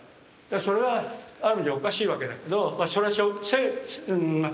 それはある意味じゃおかしいわけだけどそれはうんまあ